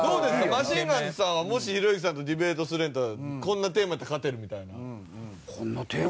マシンガンズさんはもしひろゆきさんとディベートするんやったらこんなテーマやったら勝てるみたいなんは。